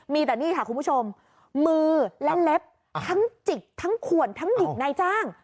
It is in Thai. มือและเล็บทั้งจิกทั้งควดทั้งหนีนในจ้าง